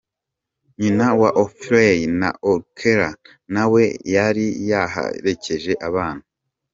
Nyina wa Ophelie na Orcella nawe yari yaherekeje abana.